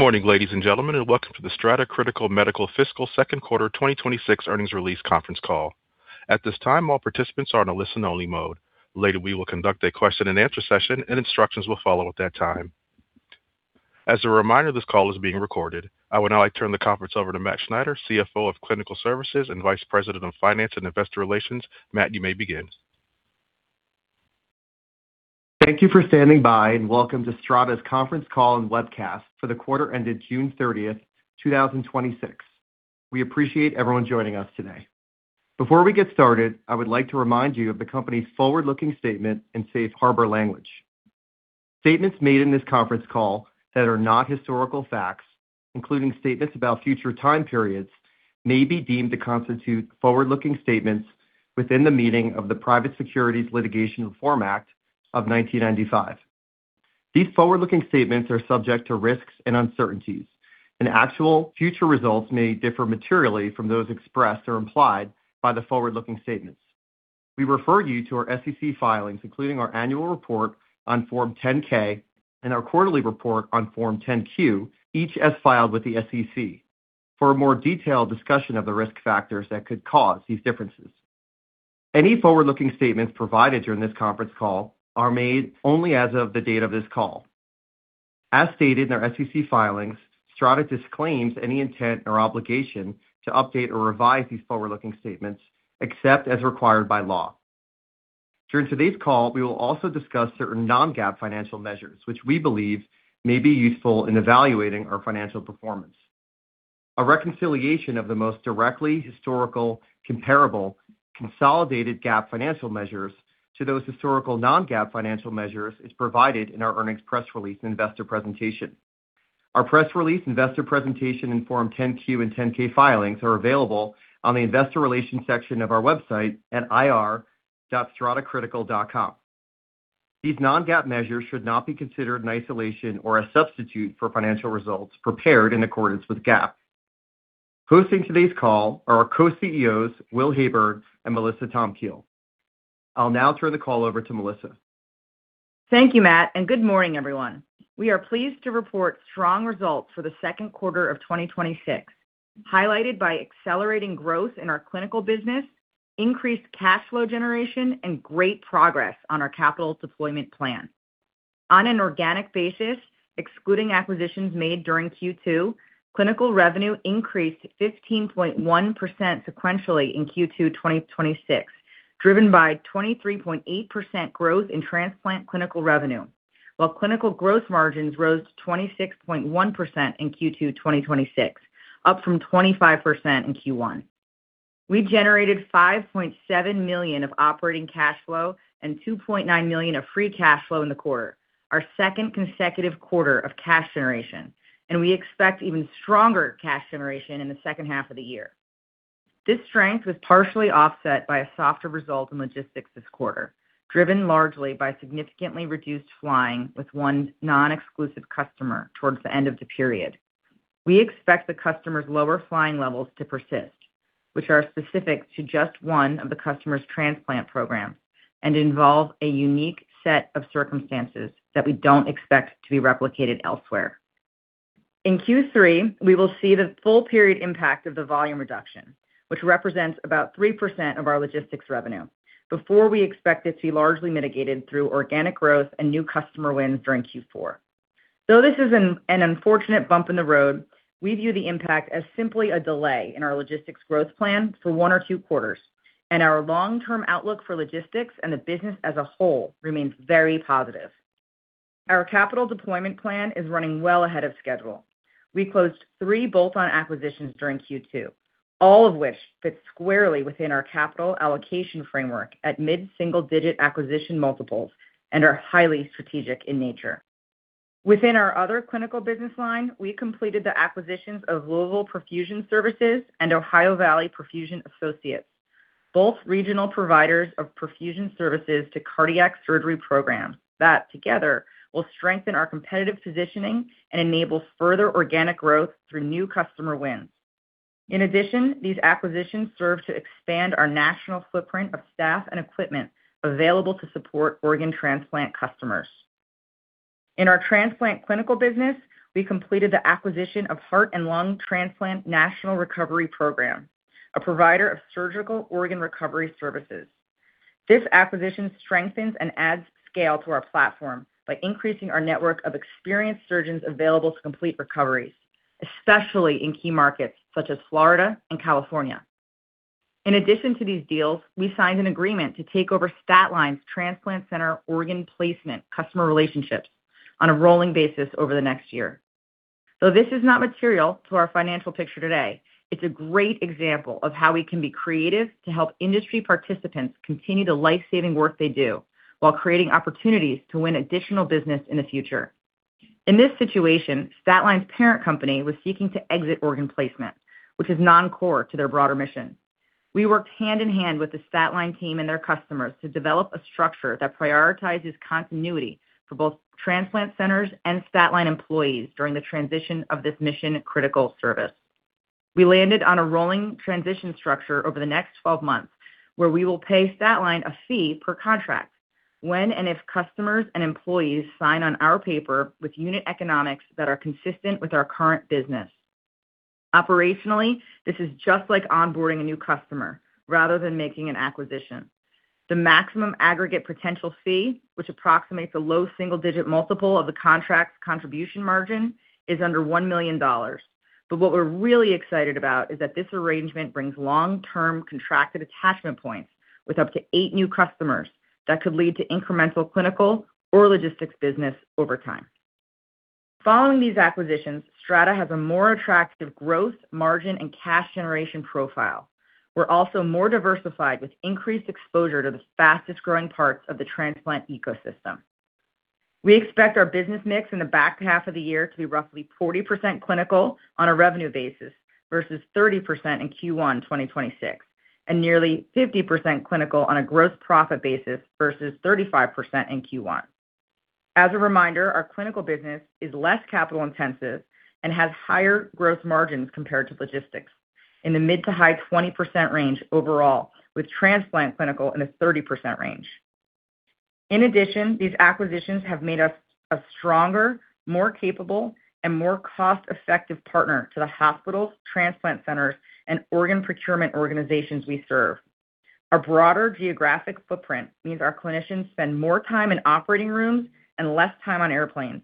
Good morning, ladies and gentlemen, and welcome to the Strata Critical Medical fiscal Q2 2026 earnings release conference call. At this time, all participants are in a listen only mode. Later, we will conduct a question and answer session and instructions will follow at that time. As a reminder, this call is being recorded. I would now like to turn the conference over to Mathew Schneider, CFO of Clinical Services and Vice President of Finance and Investor Relations. Matt, you may begin. Thank you for standing by, welcome to Strata's conference call and webcast for the quarter ended June 30th, 2026. We appreciate everyone joining us today. Before we get started, I would like to remind you of the company's forward-looking statement and safe harbor language. Statements made in this conference call that are not historical facts, including statements about future time periods, may be deemed to constitute forward-looking statements within the meaning of the Private Securities Litigation Reform Act of 1995. These forward-looking statements are subject to risks and uncertainties, and actual future results may differ materially from those expressed or implied by the forward-looking statements. We refer you to our SEC filings, including our annual report on Form 10-K and our quarterly report on Form 10-Q, each as filed with the SEC for a more detailed discussion of the risk factors that could cause these differences. Any forward-looking statements provided during this conference call are made only as of the date of this call. As stated in our SEC filings, Strata disclaims any intent or obligation to update or revise these forward-looking statements, except as required by law. During today's call, we will also discuss certain non-GAAP financial measures, which we believe may be useful in evaluating our financial performance. A reconciliation of the most directly historical comparable consolidated GAAP financial measures to those historical non-GAAP financial measures is provided in our earnings press release and investor presentation. Our press release, investor presentation, and Form 10-Q and 10-K filings are available on the investor relations section of our website at ir.stratacritical.com. These non-GAAP measures should not be considered in isolation or a substitute for financial results prepared in accordance with GAAP. Hosting today's call are our Co-CEOs, Will Heyburn and Melissa Tomkiel. I'll now turn the call over to Melissa. Thank you, Matt, and good morning, everyone. We are pleased to report strong results for the Q2 of 2026, highlighted by accelerating growth in our clinical business, increased cash flow generation, and great progress on our capital deployment plan. On an organic basis, excluding acquisitions made during Q2, clinical revenue increased 15.1% sequentially in Q2 2026, driven by 23.8% growth in transplant clinical revenue, while clinical growth margins rose to 26.1% in Q2 2026, up from 25% in Q1. We generated $5.7 million of operating cash flow and $2.9 million of free cash flow in the quarter, our second consecutive quarter of cash generation, and we expect even stronger cash generation in the H2 of the year. This strength was partially offset by a softer result in logistics this quarter, driven largely by significantly reduced flying with one non-exclusive customer towards the end of the period. We expect the customer's lower flying levels to persist, which are specific to just one of the customer's transplant programs and involve a unique set of circumstances that we don't expect to be replicated elsewhere. In Q3, we will see the full period impact of the volume reduction, which represents about 3% of our logistics revenue before we expect it to be largely mitigated through organic growth and new customer wins during Q4. Though this is an unfortunate bump in the road, we view the impact as simply a delay in our logistics growth plan for one or two quarters, and our long-term outlook for logistics and the business as a whole remains very positive. Our capital deployment plan is running well ahead of schedule. We closed three bolt-on acquisitions during Q2, all of which fit squarely within our capital allocation framework at mid-single digit acquisition multiples and are highly strategic in nature. Within our other clinical business line, we completed the acquisitions of Louisville Perfusion Services and Ohio Valley Perfusion Associates, both regional providers of perfusion services to cardiac surgery programs that together will strengthen our competitive positioning and enable further organic growth through new customer wins. In addition, these acquisitions serve to expand our national footprint of staff and equipment available to support organ transplant customers. In our transplant clinical business, we completed the acquisition of Heart and Lung Transplant National Recovery Program, a provider of surgical organ recovery services. This acquisition strengthens and adds scale to our platform by increasing our network of experienced surgeons available to complete recoveries, especially in key markets such as Florida and California. In addition to these deals, we signed an agreement to take over Statline's transplant center organ placement customer relationships on a rolling basis over the next year. Though this is not material to our financial picture today, it's a great example of how we can be creative to help industry participants continue the life-saving work they do while creating opportunities to win additional business in the future. In this situation, Statline's parent company was seeking to exit organ placement, which is non-core to their broader mission. We worked hand in hand with the Statline team and their customers to develop a structure that prioritizes continuity for both transplant centers and Statline employees during the transition of this mission-critical service. We landed on a rolling transition structure over the next 12 months, where we will pay Statline a fee per contract when and if customers and employees sign on our paper with unit economics that are consistent with our current business. Operationally, this is just like onboarding a new customer rather than making an acquisition. The maximum aggregate potential fee, which approximates a low single-digit multiple of the contract's contribution margin, is under $1 million. What we're really excited about is that this arrangement brings long-term contracted attachment points with up to eight new customers that could lead to incremental clinical or logistics business over time. Following these acquisitions, Strata has a more attractive growth, margin and cash generation profile. We're also more diversified with increased exposure to the fastest-growing parts of the transplant ecosystem. We expect our business mix in the back half of the year to be roughly 40% clinical on a revenue basis versus 30% in Q1 2026, and nearly 50% clinical on a gross profit basis versus 35% in Q1. As a reminder, our clinical business is less capital-intensive and has higher growth margins compared to logistics, in the mid to high 20% range overall, with transplant clinical in the 30% range. In addition, these acquisitions have made us a stronger, more capable, and more cost-effective partner to the hospitals, transplant centers, and organ procurement organizations we serve. Our broader geographic footprint means our clinicians spend more time in operating rooms and less time on airplanes,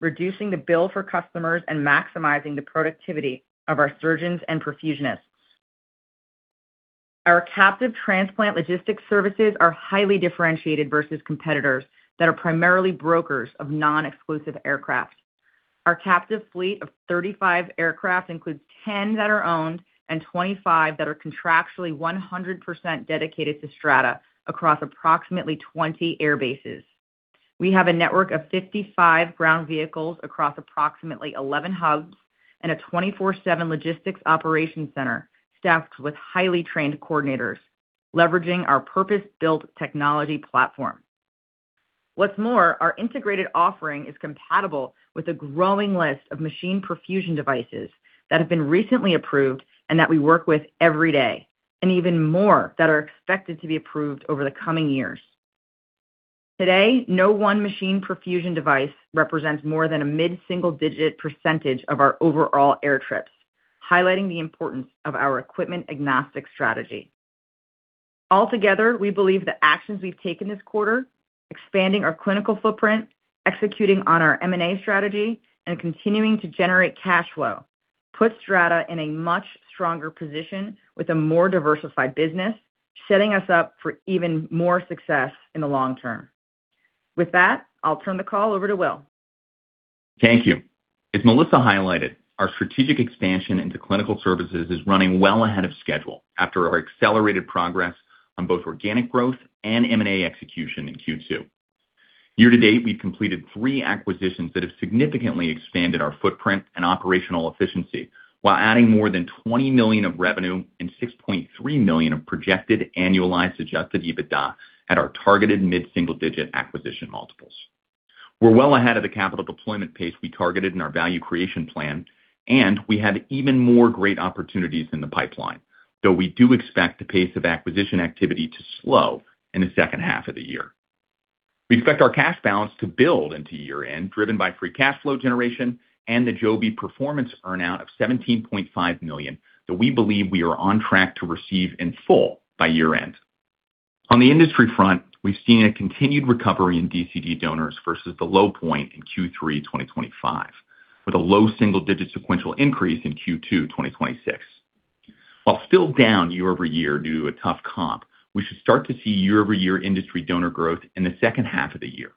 reducing the bill for customers and maximizing the productivity of our surgeons and perfusionists. Our captive transplant logistics services are highly differentiated versus competitors that are primarily brokers of non-exclusive aircraft. Our captive fleet of 35 aircraft includes 10 that are owned and 25 that are contractually 100% dedicated to Strata across approximately 20 airbases. We have a network of 55 ground vehicles across approximately 11 hubs and a 24/7 logistics operations center staffed with highly trained coordinators, leveraging our purpose-built technology platform. What's more, our integrated offering is compatible with a growing list of machine perfusion devices that have been recently approved and that we work with every day, and even more that are expected to be approved over the coming years. Today, no one machine perfusion device represents more than a mid-single-digit % of our overall air trips, highlighting the importance of our equipment-agnostic strategy. Altogether, we believe the actions we've taken this quarter, expanding our clinical footprint, executing on our M&A strategy, and continuing to generate cash flow, puts Strata in a much stronger position with a more diversified business, setting us up for even more success in the long term. With that, I'll turn the call over to Will. Thank you. As Melissa highlighted, our strategic expansion into clinical services is running well ahead of schedule after our accelerated progress on both organic growth and M&A execution in Q2. Year-to-date, we've completed three acquisitions that have significantly expanded our footprint and operational efficiency while adding more than $20 million of revenue and $6.3 million of projected annualized adjusted EBITDA at our targeted mid-single-digit acquisition multiples. We're well ahead of the capital deployment pace we targeted in our value creation plan, and we have even more great opportunities in the pipeline, though we do expect the pace of acquisition activity to slow in the H2 of the year. We expect our cash balance to build into year-end, driven by free cash flow generation and the Joby performance earn-out of $17.5 million that we believe we are on track to receive in full by year-end. On the industry front, we've seen a continued recovery in DCD donors versus the low point in Q3 2025, with a low single-digit sequential increase in Q2 2026. While still down year-over-year due to a tough comp, we should start to see year-over-year industry donor growth in the H2 of the year.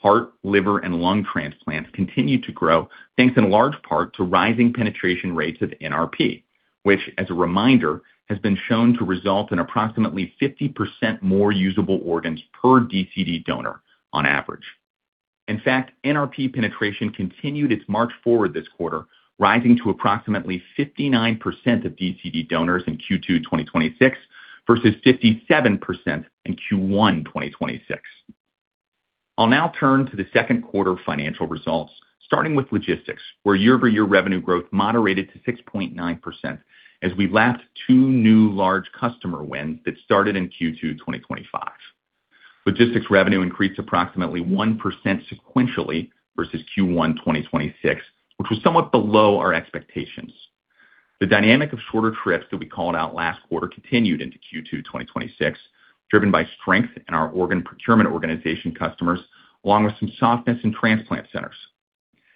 Heart, liver, and lung transplants continue to grow, thanks in large part to rising penetration rates of NRP, which, as a reminder, has been shown to result in approximately 50% more usable organs per DCD donor on average. In fact, NRP penetration continued its march forward this quarter, rising to approximately 59% of DCD donors in Q2 2026 versus 57% in Q1 2026. I'll now turn to the Q2 financial results, starting with logistics, where year-over-year revenue growth moderated to 6.9% as we lapped two new large customer wins that started in Q2 2025. Logistics revenue increased approximately 1% sequentially versus Q1 2026, which was somewhat below our expectations. The dynamic of shorter trips that we called out last quarter continued into Q2 2026, driven by strength in our organ procurement organization customers, along with some softness in transplant centers.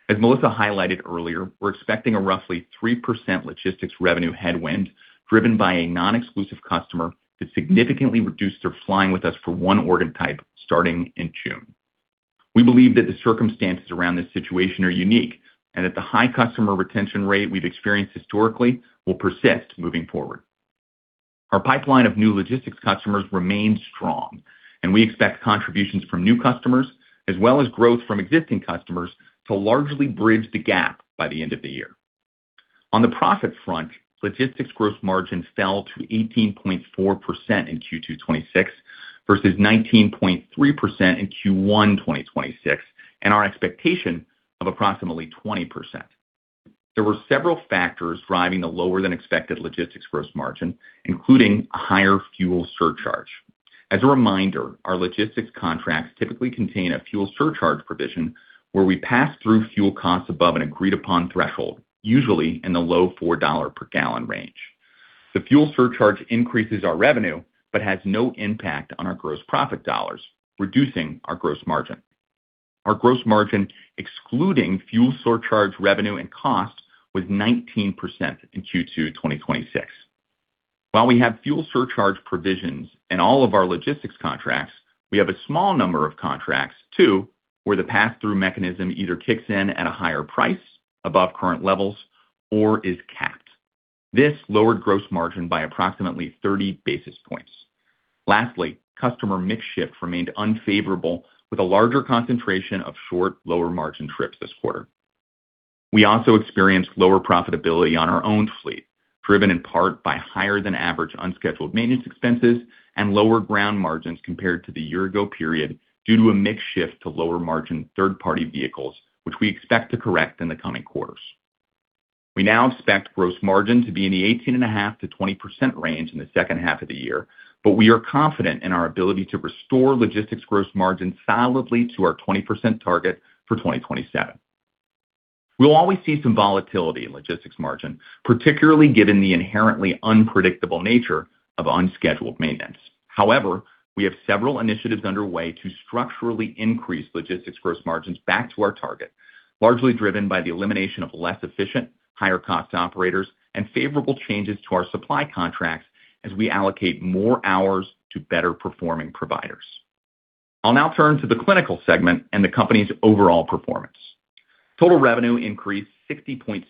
As Melissa highlighted earlier, we're expecting a roughly 3% logistics revenue headwind driven by a non-exclusive customer that significantly reduced their flying with us for one organ type starting in June. We believe that the circumstances around this situation are unique and that the high customer retention rate we've experienced historically will persist moving forward. Our pipeline of new logistics customers remains strong, and we expect contributions from new customers as well as growth from existing customers to largely bridge the gap by the end of the year. On the profit front, logistics gross margin fell to 18.4% in Q2 2026 versus 19.3% in Q1 2026, and our expectation of approximately 20%. There were several factors driving the lower than expected logistics gross margin, including a higher fuel surcharge. As a reminder, our logistics contracts typically contain a fuel surcharge provision, where we pass through fuel costs above an agreed upon threshold, usually in the low $4 per gallon range. The fuel surcharge increases our revenue but has no impact on our gross profit dollars, reducing our gross margin. Our gross margin, excluding fuel surcharge revenue and cost, was 19% in Q2 2026. While we have fuel surcharge provisions in all of our logistics contracts, we have a small number of contracts too, where the pass-through mechanism either kicks in at a higher price above current levels or is capped. This lowered gross margin by approximately 30 basis points. Lastly, customer mix shift remained unfavorable with a larger concentration of short lower margin trips this quarter. We also experienced lower profitability on our own fleet, driven in part by higher than average unscheduled maintenance expenses and lower ground margins compared to the year ago period due to a mix shift to lower margin third-party vehicles, which we expect to correct in the coming quarters. We now expect gross margin to be in the 18.5%-20% range in the H2 of the year, but we are confident in our ability to restore logistics gross margin solidly to our 20% target for 2027. We'll always see some volatility in logistics margin, particularly given the inherently unpredictable nature of unscheduled maintenance. We have several initiatives underway to structurally increase logistics gross margins back to our target, largely driven by the elimination of less efficient, higher cost operators and favorable changes to our supply contracts as we allocate more hours to better performing providers. I'll now turn to the clinical segment and the company's overall performance. Total revenue increased 60.7%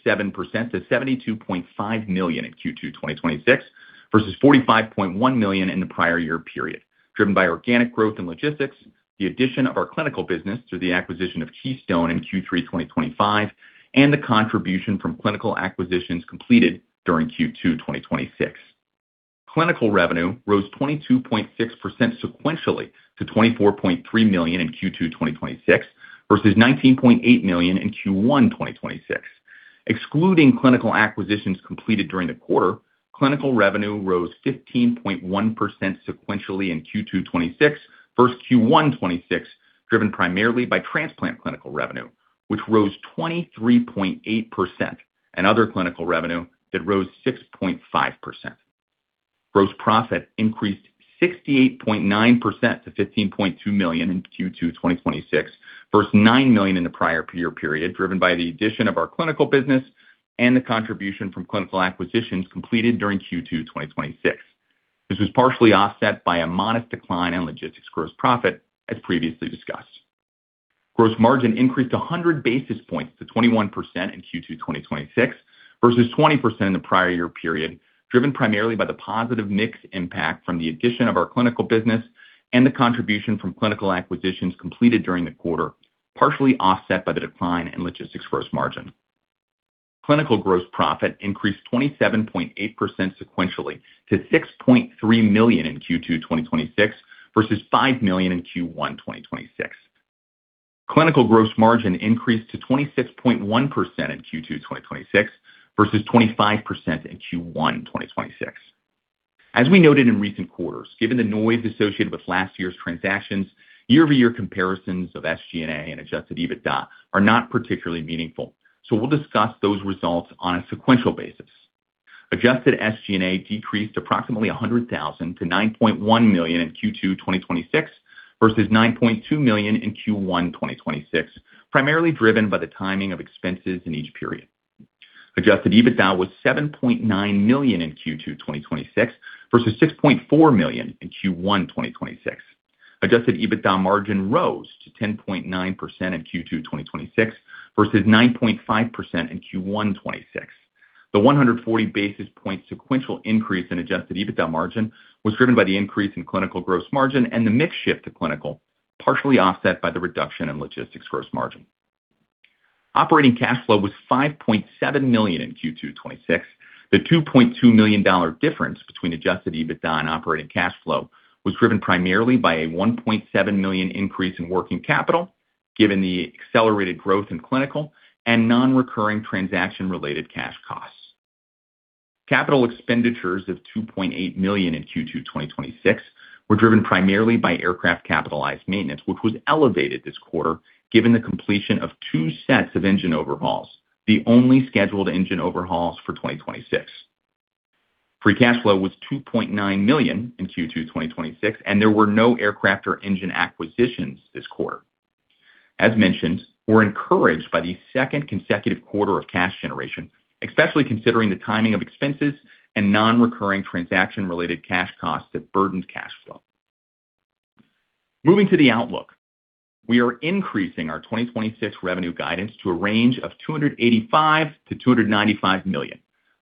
to $72.5 million in Q2 2026 versus $45.1 million in the prior year period, driven by organic growth in logistics, the addition of our clinical business through the acquisition of Keystone in Q3 2025, and the contribution from clinical acquisitions completed during Q2 2026. Clinical revenue rose 22.6% sequentially to $24.3 million in Q2 2026 versus $19.8 million in Q1 2026. Excluding clinical acquisitions completed during the quarter, clinical revenue rose 15.1% sequentially in Q2 2026 versus Q1 2026, driven primarily by transplant clinical revenue, which rose 23.8%, and other clinical revenue that rose 6.5%. Gross profit increased 68.9% to $15.2 million in Q2 2026 versus $9 million in the prior year period, driven by the addition of our clinical business and the contribution from clinical acquisitions completed during Q2 2026. This was partially offset by a modest decline in logistics gross profit, as previously discussed. Gross margin increased 100 basis points to 21% in Q2 2026 versus 20% in the prior year period, driven primarily by the positive mix impact from the addition of our clinical business and the contribution from clinical acquisitions completed during the quarter, partially offset by the decline in logistics gross margin. Clinical gross profit increased 27.8% sequentially to $6.3 million in Q2 2026 versus $5 million in Q1 2026. Clinical gross margin increased to 26.1% in Q2 2026 versus 25% in Q1 2026. As we noted in recent quarters, given the noise associated with last year's transactions, year-over-year comparisons of SG&A and adjusted EBITDA are not particularly meaningful. We'll discuss those results on a sequential basis. Adjusted SG&A decreased approximately $100,000 to $9.1 million in Q2 2026 versus $9.2 million in Q1 2026, primarily driven by the timing of expenses in each period. Adjusted EBITDA was $7.9 million in Q2 2026 versus $6.4 million in Q1 2026. Adjusted EBITDA margin rose to 10.9% in Q2 2026 versus 9.5% in Q1 2026. The 140 basis point sequential increase in adjusted EBITDA margin was driven by the increase in clinical gross margin and the mix shift to clinical, partially offset by the reduction in logistics gross margin. Operating cash flow was $5.7 million in Q2 2026. The $2.2 million difference between adjusted EBITDA and operating cash flow was driven primarily by a $1.7 million increase in working capital, given the accelerated growth in clinical and non-recurring transaction related cash costs. Capital expenditures of $2.8 million in Q2 2026 were driven primarily by aircraft capitalized maintenance, which was elevated this quarter given the completion of two sets of engine overhauls, the only scheduled engine overhauls for 2026. Free cash flow was $2.9 million in Q2 2026, and there were no aircraft or engine acquisitions this quarter. As mentioned, we're encouraged by the second consecutive quarter of cash generation, especially considering the timing of expenses and non-recurring transaction related cash costs that burdened cash flow. Moving to the outlook. We are increasing our 2026 revenue guidance to a range of $285 million-$295 million,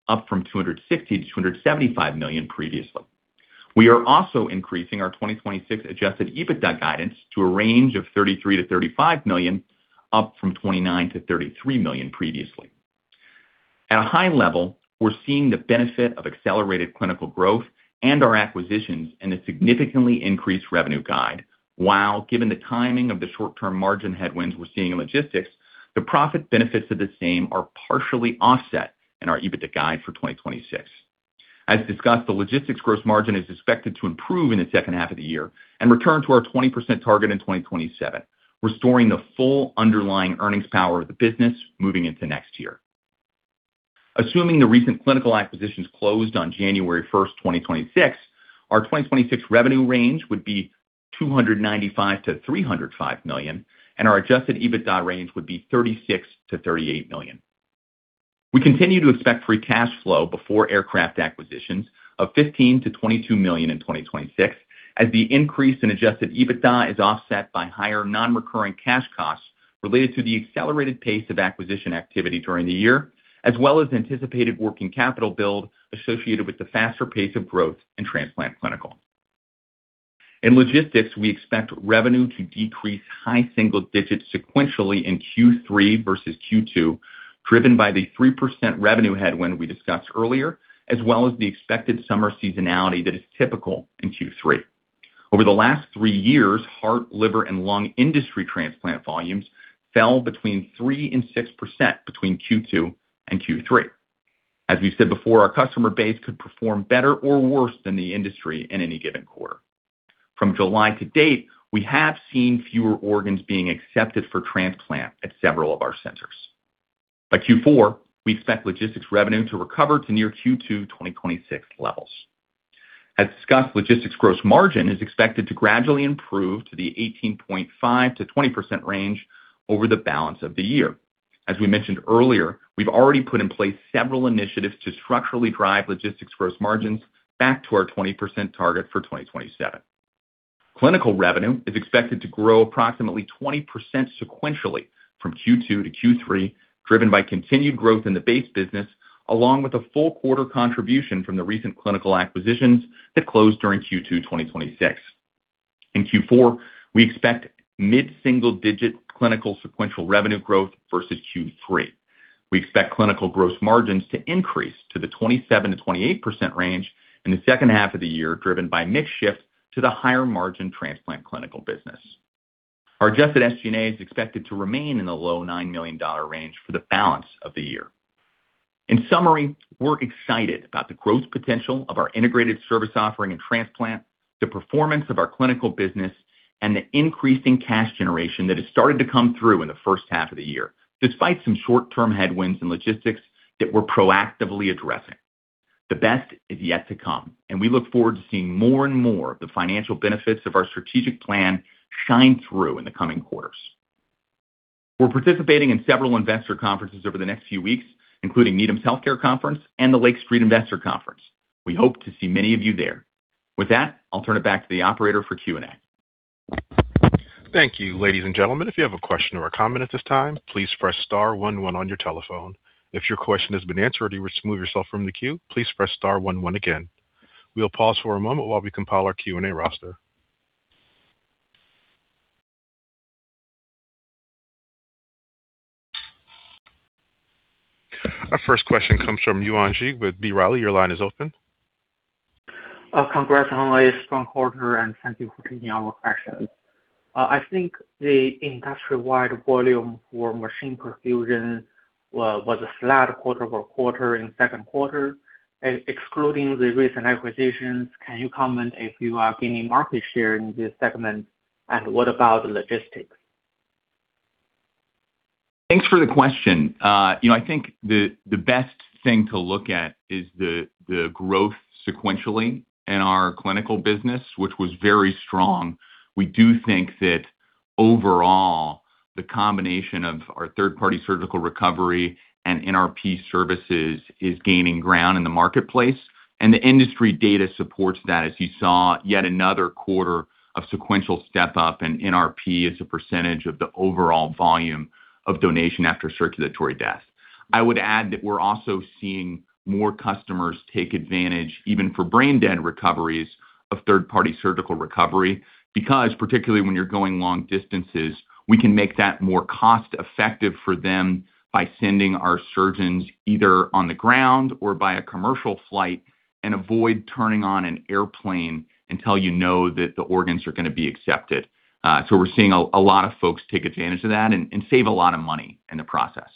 up from $260 million-$275 million previously. We are also increasing our 2026 adjusted EBITDA guidance to a range of $33 million-$35 million, up from $29 million-$33 million previously. At a high level, we're seeing the benefit of accelerated clinical growth and our acquisitions in a significantly increased revenue guide. Given the timing of the short-term margin headwinds we're seeing in logistics, the profit benefits of the same are partially offset in our EBITDA guide for 2026. As discussed, the logistics gross margin is expected to improve in the H2 of the year and return to our 20% target in 2027, restoring the full underlying earnings power of the business moving into next year. Assuming the recent clinical acquisitions closed on January 1st, 2026, our 2026 revenue range would be $295 million-$305 million, and our adjusted EBITDA range would be $36 million-$38 million. We continue to expect free cash flow before aircraft acquisitions of $15 million-$22 million in 2026, as the increase in adjusted EBITDA is offset by higher non-recurring cash costs related to the accelerated pace of acquisition activity during the year, as well as anticipated working capital build associated with the faster pace of growth in transplant clinical. In logistics, we expect revenue to decrease high single digits sequentially in Q3 versus Q2, driven by the 3% revenue headwind we discussed earlier, as well as the expected summer seasonality that is typical in Q3. Over the last three years, heart, liver, and lung industry transplant volumes fell between 3%-6% between Q2 and Q3. As we've said before, our customer base could perform better or worse than the industry in any given quarter. From July to date, we have seen fewer organs being accepted for transplant at several of our centers. By Q4, we expect logistics revenue to recover to near Q2 2026 levels. As discussed, logistics gross margin is expected to gradually improve to the 18.5%-20% range over the balance of the year. As we mentioned earlier, we've already put in place several initiatives to structurally drive logistics gross margins back to our 20% target for 2027. Clinical revenue is expected to grow approximately 20% sequentially from Q2 to Q3, driven by continued growth in the base business, along with a full quarter contribution from the recent clinical acquisitions that closed during Q2 2026. In Q4, we expect mid-single-digit clinical sequential revenue growth versus Q3. We expect clinical gross margins to increase to the 27%-28% range in the H2 of the year, driven by mix shift to the higher-margin transplant clinical business. Our adjusted SG&A is expected to remain in the low $9 million range for the balance of the year. In summary, we're excited about the growth potential of our integrated service offering in transplant, the performance of our clinical business, and the increasing cash generation that has started to come through in the H1 of the year, despite some short-term headwinds in logistics that we're proactively addressing. The best is yet to come, we look forward to seeing more and more of the financial benefits of our strategic plan shine through in the coming quarters. We're participating in several investor conferences over the next few weeks, including Needham's Health Care Conference and the Lake Street Investor Conference. We hope to see many of you there. With that, I'll turn it back to the operator for Q&A. Thank you. Ladies and gentlemen, if you have a question or a comment at this time, please press star one one on your telephone. If your question has been answered or you wish to remove yourself from the queue, please press star one one again. We'll pause for a moment while we compile our Q&A roster. Our first question comes from Yuan Zhi with B. Riley, your line is open. Congrats on a strong quarter, thank you for taking our question. I think the industry-wide volume for machine perfusion was flat quarter-over-quarter in Q2. Excluding the recent acquisitions, can you comment if you are gaining market share in this segment, and what about logistics? Thanks for the question. I think the best thing to look at is the growth sequentially in our clinical business, which was very strong. We do think that overall, the combination of our third-party surgical recovery and NRP services is gaining ground in the marketplace, and the industry data supports that as you saw yet another quarter of sequential step-up in NRP as a percentage of the overall volume of donation after circulatory death. I would add that we're also seeing more customers take advantage, even for brain dead recoveries, of third-party surgical recovery, because particularly when you're going long distances, we can make that more cost-effective for them by sending our surgeons either on the ground or via commercial flight and avoid turning on an airplane until you know that the organs are going to be accepted. We're seeing a lot of folks take advantage of that and save a lot of money in the process.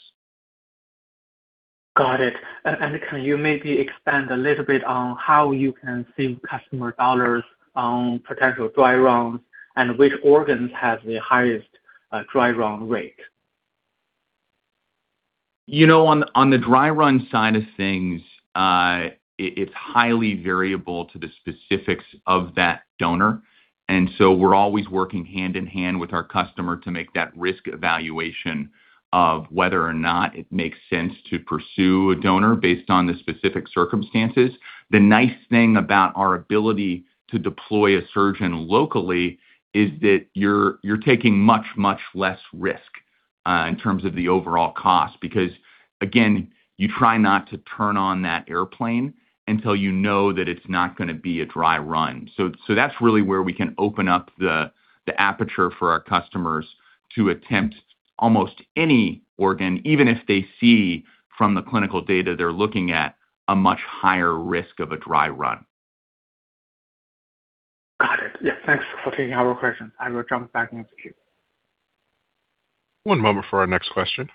Got it. Can you maybe expand a little bit on how you can save customer dollars on potential dry runs and which organs have the highest dry run rate? On the dry run side of things, it's highly variable to the specifics of that donor, and so we're always working hand in hand with our customer to make that risk evaluation of whether or not it makes sense to pursue a donor based on the specific circumstances. The nice thing about our ability to deploy a surgeon locally is that you're taking much, much less risk in terms of the overall cost, because again, you try not to turn on that airplane until you know that it's not going to be a dry run. That's really where we can open up the aperture for our customers to attempt almost any organ, even if they see from the clinical data they're looking at a much higher risk of a dry run. Got it. Yeah, thanks for taking our question. I will jump back into queue. One moment for our next question.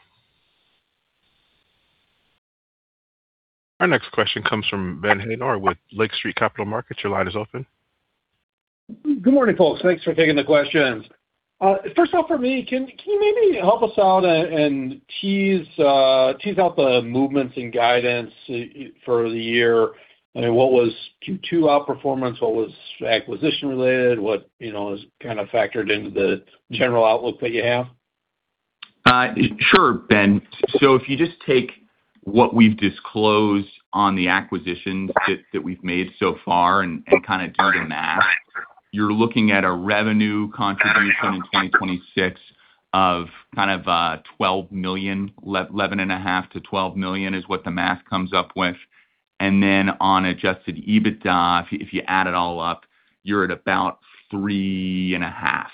Our next question comes from Ben Haynor with Lake Street Capital Markets. Your line is open. Good morning, folks. Thanks for taking the questions. First off for me, can you maybe help us out and tease out the movements in guidance for the year? I mean, what was Q2 outperformance? What was acquisition-related? What has factored into the general outlook that you have? Sure, Ben. If you just take what we've disclosed on the acquisitions that we've made so far and do the math, you're looking at a revenue contribution in 2026 of $11.5 million-$12 million is what the math comes up with. On adjusted EBITDA, if you add it all up, you're at about $3.5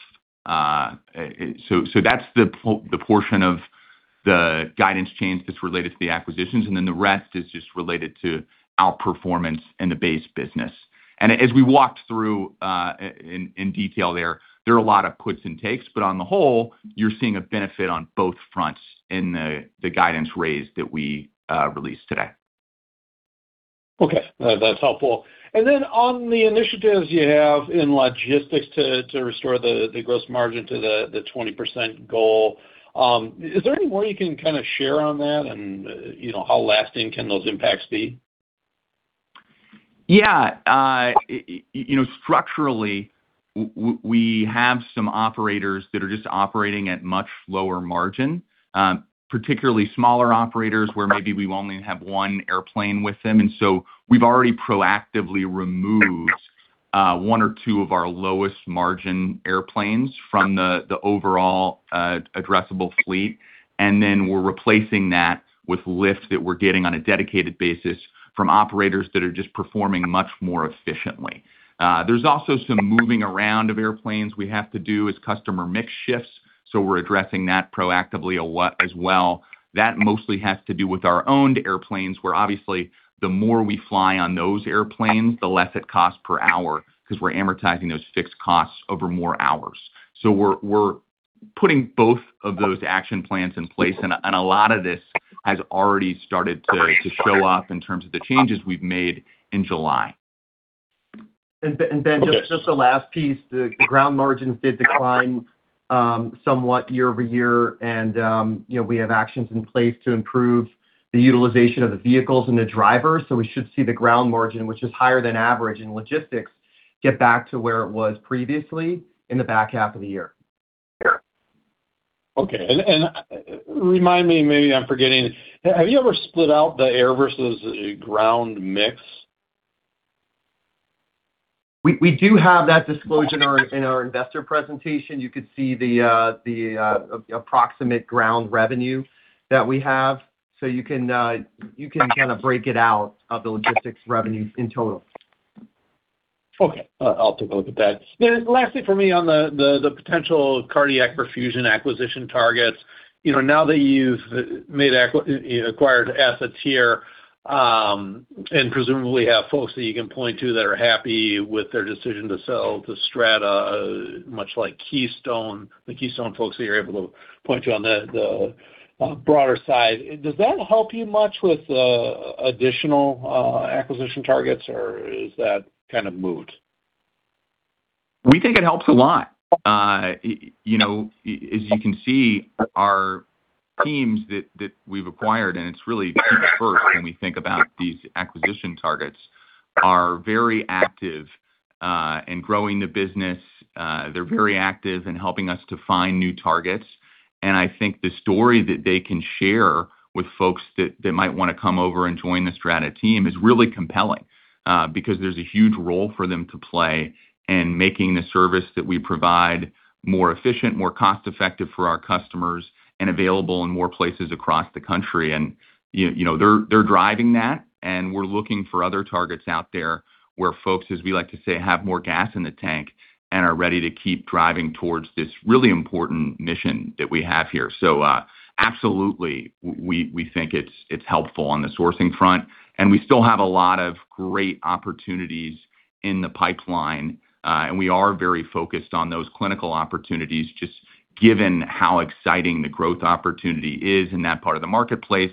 million. That's the portion of the guidance change that's related to the acquisitions, the rest is just related to outperformance in the base business. As we walked through in detail there are a lot of puts and takes, but on the whole, you're seeing a benefit on both fronts in the guidance raise that we released today. Okay. That's helpful. On the initiatives you have in logistics to restore the gross margin to the 20% goal, is there any more you can share on that? How lasting can those impacts be? Yeah. Structurally, we have some operators that are just operating at much lower margin, particularly smaller operators where maybe we only have one airplane with them. We've already proactively removed one or two of our lowest margin airplanes from the overall addressable fleet. We're replacing that with lift that we're getting on a dedicated basis from operators that are just performing much more efficiently. There's also some moving around of airplanes we have to do as customer mix shifts. We're addressing that proactively a lot as well. That mostly has to do with our owned airplanes, where obviously the more we fly on those airplanes, the less it costs per hour because we're amortizing those fixed costs over more hours. We're putting both of those action plans in place. A lot of this has already started to show up in terms of the changes we've made in July. Ben, just the last piece, the ground margins did decline somewhat year-over-year. We have actions in place to improve the utilization of the vehicles and the drivers. We should see the ground margin, which is higher than average in logistics, get back to where it was previously in the back half of the year. Okay. Remind me, maybe I'm forgetting, have you ever split out the air versus ground mix? We do have that disclosure in our investor presentation. You could see the approximate ground revenue that we have. You can break it out of the logistics revenue in total. Okay. I'll take a look at that. Lastly for me on the potential cardiac perfusion acquisition targets. Now that you've acquired assets here, and presumably have folks that you can point to that are happy with their decision to sell to Strata, much like the Keystone folks that you're able to point to on the broader side, does that help you much with additional acquisition targets, or is that kind of moot? We think it helps a lot. As you can see, our teams that we've acquired, and it's really key first when we think about these acquisition targets, are very active in growing the business. They're very active in helping us to find new targets. I think the story that they can share with folks that might want to come over and join the Strata team is really compelling. Because there's a huge role for them to play in making the service that we provide more efficient, more cost-effective for our customers, and available in more places across the country. They're driving that, and we're looking for other targets out there where folks, as we like to say, have more gas in the tank and are ready to keep driving towards this really important mission that we have here. Absolutely, we think it's helpful on the sourcing front. We still have a lot of great opportunities in the pipeline. We are very focused on those clinical opportunities, just given how exciting the growth opportunity is in that part of the marketplace,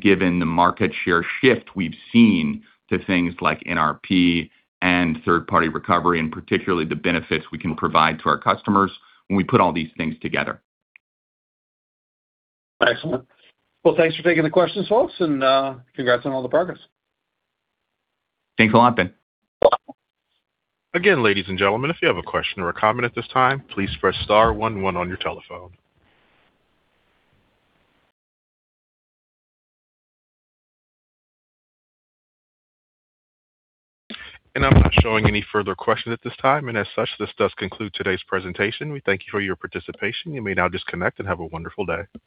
given the market share shift we've seen to things like NRP and third-party recovery, and particularly the benefits we can provide to our customers when we put all these things together. Excellent. Well, thanks for taking the questions, folks, and congrats on all the progress. Thanks a lot, Ben. Again, ladies and gentlemen, if you have a question or a comment at this time, please press star one one on your telephone. I'm not showing any further questions at this time. As such, this does conclude today's presentation. We thank you for your participation. You may now disconnect and have a wonderful day.